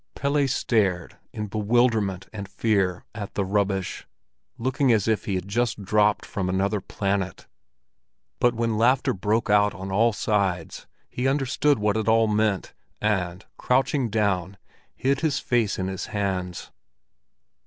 Pelle stared in bewilderment and fear at the rubbish, looking as if he had just dropped from another planet; but when laughter broke out on all sides, he understood what it all meant, and, crouching down, hid his face in his hands.